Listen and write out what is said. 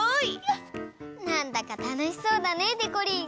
なんだかたのしそうだねでこりん。